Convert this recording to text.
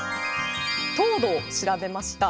糖度を調べました。